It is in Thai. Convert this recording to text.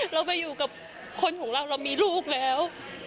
เราไปอยู่กับคนของเราเรามีลูกแล้ว